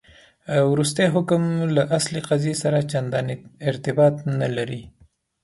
وروستی حکم له اصل قضیې سره چنداني ارتباط نه لري.